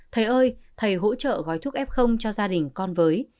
thầy ơi thầy hỗ trợ gói thuốc f cho gia đình con với